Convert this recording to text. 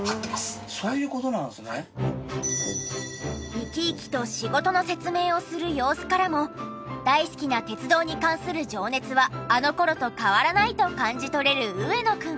生き生きと仕事の説明をする様子からも大好きな鉄道に関する情熱はあの頃と変わらないと感じ取れる上野くん。